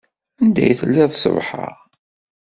Anda i telliḍ ṣṣbeḥ-a?